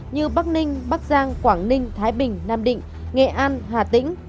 như bắc ninh bắc giang quảng ninh thái bình nam định nghệ an hà tĩnh